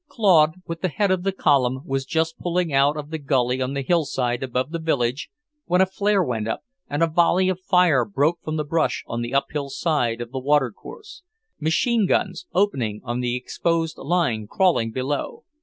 Claude, with the head of the column, was just pulling out of the gully on the hillside above the village, when a flare went up, and a volley of fire broke from the brush on the up hill side of the water course; machine guns, opening on the exposed line crawling below.